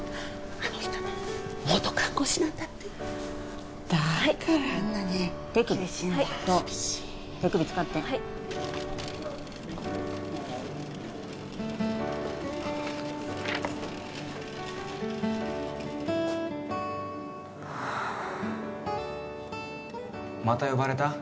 あの人ね元看護師なんだってだからあんなに厳しいんだそう手首使ってはいまた呼ばれた？